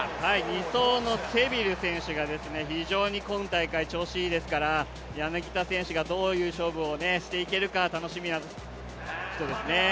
２走のセビル選手が非常に今大会調子いいですから柳田選手がどういう勝負をしていけるか楽しみな人ですね。